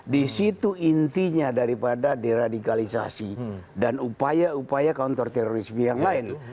disitu intinya daripada deradikalisasi dan upaya upaya kontor terorisme yang lain